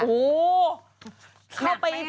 โอ้โห